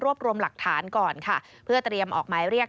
รวมรวมหลักฐานก่อนค่ะเพื่อเตรียมออกหมายเรียก